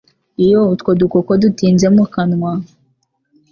Iyo utwo dukoko dutinze mu kanwa,